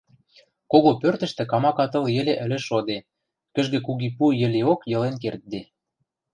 Кого пӧртӹштӹ камака тыл йӹле ӹлӹж шоде, кӹжгӹ куги пу йӹлеок йылен кердде.